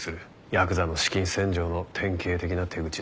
ヤクザの資金洗浄の典型的な手口だ。